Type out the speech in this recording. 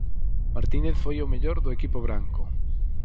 Martínez foi o mellor do equipo branco.